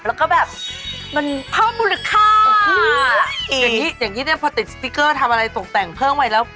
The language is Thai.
แล้วก็แบบมันเพิ่มบูรคาแบบนี้นี่เนี่ยพอติดทำอะไรตกแต่งเพิ่งไว้แล้ว